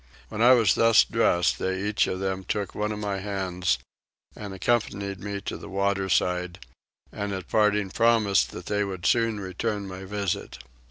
When I was thus dressed they each of them took one of my hands, and accompanied me to the waterside, and at parting promised that they would soon return my visit.